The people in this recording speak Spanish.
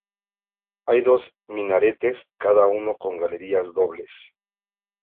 Hay dos minaretes, cada uno con galerías dobles.